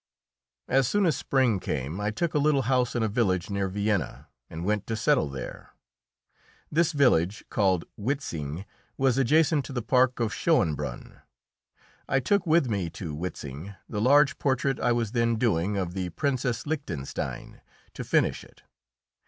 As soon as spring came I took a little house in a village near Vienna and went to settle there. This village, called Huitzing, was adjacent to the park of Schoenbrunn. I took with me to Huitzing the large portrait I was then doing of the Princess Lichtenstein, to finish it.